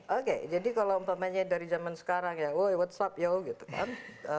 oke jadi kalau umpamanya dari zaman sekarang ya woy whatsapp yo gitu kan